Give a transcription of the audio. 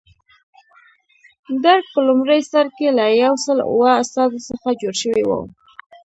درګ په لومړي سر کې له یو سل اوه استازو څخه جوړ شوی و.